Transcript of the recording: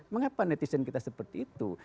mengapa netizen kita seperti itu